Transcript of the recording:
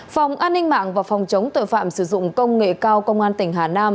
phòng an ninh mạng và phòng chống tội phạm sử dụng công nghệ cao công an tỉnh hà nam